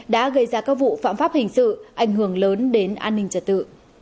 đã gây ra các vụ phạm pháp hình sự ảnh hưởng lớn đến an ninh trật tự